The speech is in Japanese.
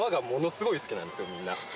みんな。